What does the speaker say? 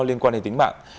liên quan đến tính mạng